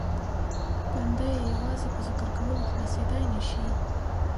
بنده یې یوازې په ذکر کولو خلاصېدای نه شي.